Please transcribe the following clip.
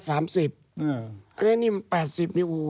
งั้น๘๐นี่